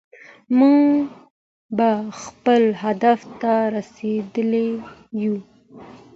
موږ به خپل هدف ته رسېدلي يو.